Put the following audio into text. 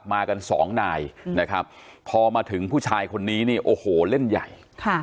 มากันสองนายนะครับพอมาถึงผู้ชายคนนี้นี่โอ้โหเล่นใหญ่